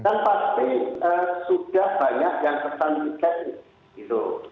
dan pasti sudah banyak yang kesan tiket itu